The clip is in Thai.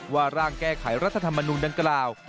ร่างแก้ไขรัฐธรรมนูลดังกล่าว